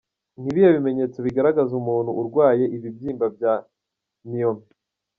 Ni ibihe bimenyetso bigaragaza umuntu urwaye ibibyimba bya myomes?.